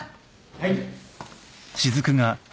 はい。